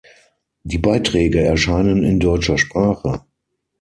Die Beiträge erscheinen in deutscher Sprache.